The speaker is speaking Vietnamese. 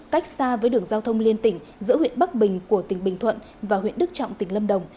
cách xa với đường giao thông liên tỉnh giữa huyện bắc bình của tỉnh bình thuận và huyện đức trọng tỉnh lâm đồng